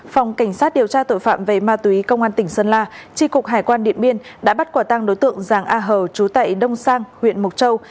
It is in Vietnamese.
phòng cảnh sát điều tra tội phạm về ma túy công an tỉnh sơn la tri cục hải quan điện biên đã bắt quả tăng đối tượng giàng a hờ trú tại đông sang huyện mộc châu